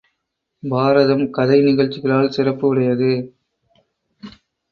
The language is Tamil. பாரதம் கதை நிகழ்ச்சிகளால் சிறப்பு உடையது.